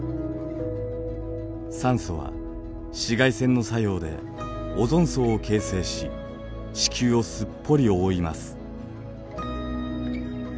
酸素は紫外線の作用でオゾン層を形成し地球をすっぽり覆います。